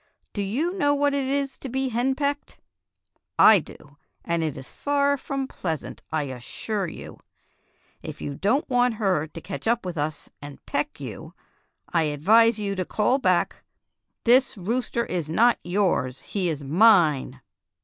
Do you know what it is to be henpecked.^ I do, and it is far from pleasant, I assure you. If you don't want her to catch up with us and peck you, I advise Fairy Tale Foxes 59 you to call back: /This rooster is not yours. He is mine.